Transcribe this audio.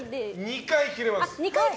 ２回切れます。